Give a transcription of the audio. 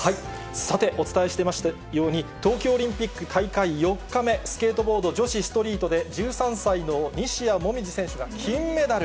さて、お伝えしていましたように、東京オリンピック大会４日目、スケートボード女子ストリートで１３歳の西矢椛選手が金メダル。